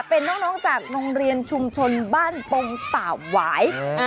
เป็นน้องจากโรงเรียนชุมชนบ้านปงตาบหวาย